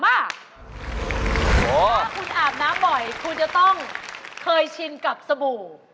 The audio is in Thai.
ถ้าคุณอาบน้ำบ่อยคุณจะต้องเคยชินกับสบู่